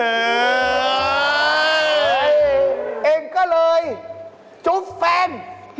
เองก็เลยจุ๊บแฟน